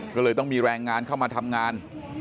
ก็เลยต้องมีแรงงานเข้ามาทำงาน